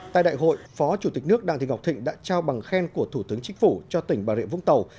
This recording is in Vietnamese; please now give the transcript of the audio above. tại đại hội phó chủ tịch nước đặng thị ngọc thịnh đã trao bằng khen của thủ tướng chính phủ cho tỉnh bà rịa vũng tàu